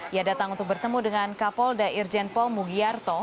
ia datang untuk bertemu dengan kapolda irjen pol mugiarto